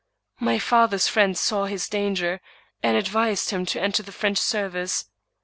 My father's friend saw his danger, and ad vised him to enter the French service.